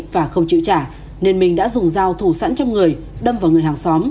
và không chịu trả nên minh đã dùng dao thủ sẵn trong người đâm vào người hàng xóm